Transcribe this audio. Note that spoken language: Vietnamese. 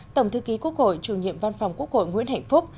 tổng thư ký quốc hội chủ nhiệm văn phòng quốc hội nguyễn hạnh phúc